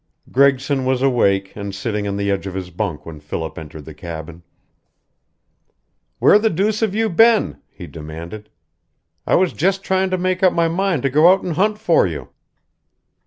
Gregson was awake and sitting on the edge of his bunk when Philip entered the cabin. "Where the deuce have you been?" he demanded. "I was just trying to make up my mind to go out and hunt for you.